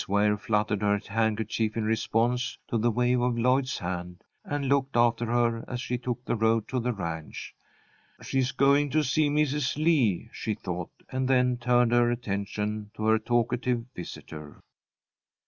Ware fluttered her handkerchief in response to the wave of Lloyd's hand, and looked after her as she took the road to the ranch. "She's going to see Mrs. Lee," she thought, and then turned her attention to her talkative visitor.